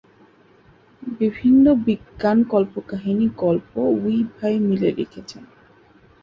বিভিন্ন বিজ্ঞান কল্পকাহিনী গল্প উই ভাই মিলে লিখেছেন।